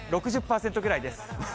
６０％ぐらいです。